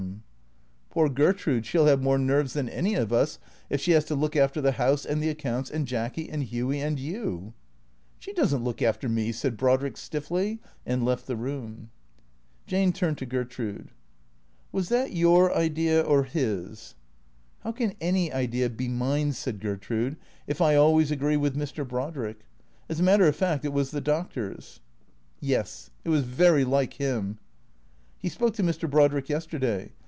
416 THE CKEA TORS " Poor Gertrude, she '11 have more nerves than any of us if she has to look after the house, and the accounts, and Jacky, and Hughy, and you "" She does n't look after me," said Brodrick stiffly, and left the room. Jane turned to Gertrude. " Was that your idea, or his ?"" How can any idea be mine," said Gertrude, " if I always agree with Mr. Brodrick? As a matter of fact it was the Doc tor's." " Yes. It was very like him." " He spoke to Mr. Brodrick yesterday.